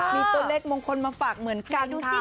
มีตัวเลขมงคลมาฝากเหมือนกันค่ะ